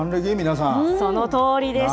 そのとおりです。